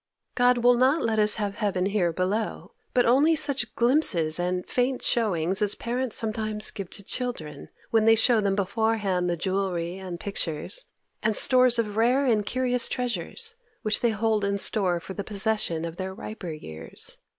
God will not let us have heaven here below, but only such glimpses and faint showings as parents sometimes give to children when they show them beforehand the jewelry and pictures, and stores of rare and curious treasures, which they hold in store for the possession of their riper years.